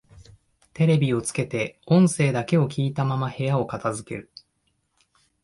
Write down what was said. テレビをつけて音声だけを聞いたまま部屋を片づける